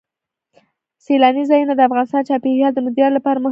سیلانی ځایونه د افغانستان د چاپیریال د مدیریت لپاره مهم دي.